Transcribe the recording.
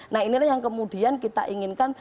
nah inilah yang kemudian kita inginkan